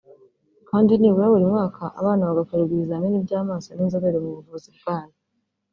kandi nibura buri mwaka abana bagakorerwa ibizimini by’amaso n’inzobere mu buvuzi bwayo